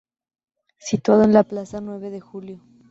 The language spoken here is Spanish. Situado a Plaza Nueve de Julio.